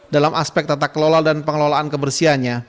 dalam aspek tata kelola dan pengelolaan kebersihannya